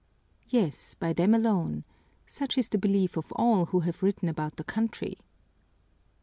"Yes, by them alone. Such is the belief of all who have written about the country."